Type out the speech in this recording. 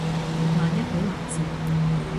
萬一好難食